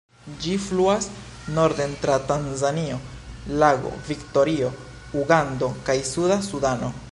Ĝi fluas norden tra Tanzanio, Lago Viktorio, Ugando kaj Suda Sudano.